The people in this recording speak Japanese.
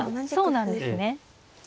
そうなんですね。